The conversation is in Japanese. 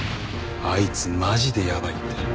あいつマジでやばいって。